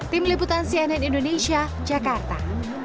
tim liputan cnn indonesia jakarta